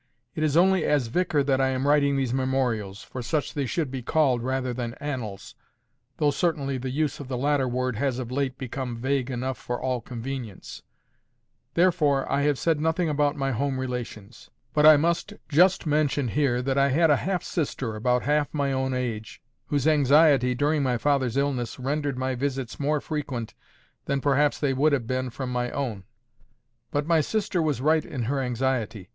It is only as vicar that I am writing these memorials—for such they should be called, rather than ANNALS, though certainly the use of the latter word has of late become vague enough for all convenience—therefore I have said nothing about my home relations; but I must just mention here that I had a half sister, about half my own age, whose anxiety during my father's illness rendered my visits more frequent than perhaps they would have been from my own. But my sister was right in her anxiety.